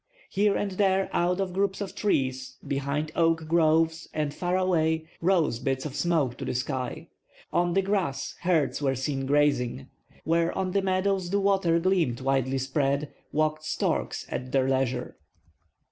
Here and there out of groups of trees, behind oak groves and far away rose bits of smoke to the sky; on the grass herds were seen grazing. Where on the meadows the water gleamed widely spread, walked storks at their leisure.